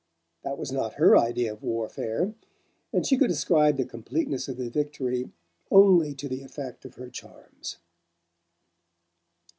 That was not her idea of warfare, and she could ascribe the completeness of the victory only to the effect of her charms.